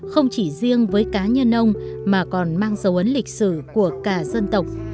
không chỉ riêng với cá nhân ông mà còn mang dấu ấn lịch sử của cả dân tộc